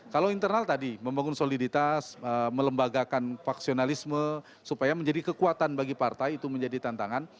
kalau internal tadi membangun soliditas melembagakan paksionalisme supaya menjadi kekuatan bagi partai itu menjadi tantangan